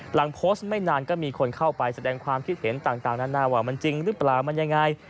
หลังโพสต์ไม่นานก็มีคนเข้าไปแสดงความคิดเห็นต่างนานาว่ามันจริงหรือเปล่ามันยังไง